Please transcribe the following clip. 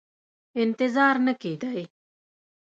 انتظار نه کېدی.